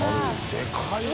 でかいな。